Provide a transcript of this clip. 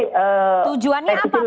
tujuannya apa pak